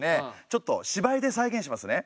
ちょっと芝居で再現しますね。